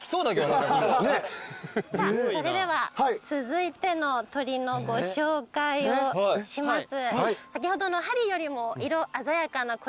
それでは続いての鳥のご紹介をします。